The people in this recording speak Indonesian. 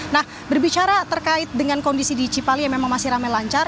nah berbicara terkait dengan kondisi di cipali yang memang masih ramai lancar